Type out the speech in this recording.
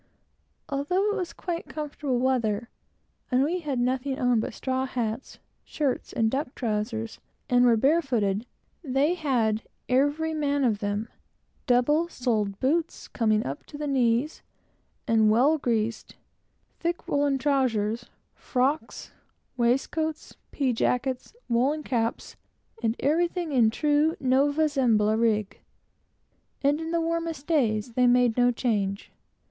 Although it was quite comfortable weather, and we had nothing on but straw hats, shirts, and duck trowsers, and were barefooted, they had, every man of them, double soled boots, coming up to the knees, and well greased; thick woolen trowsers, frocks, waistcoats, pea jackets, woolen caps, and everything in true Nova Zembla rig; and in the warmest days they made no change.